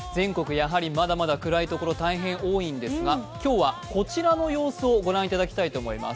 やはりまだ暗いところ大変多いんですが今日はこちらの様子をご覧いただきたいと思います。